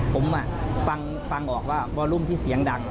ผมฟังออกว่าบอลลุ่มที่เสียงดัง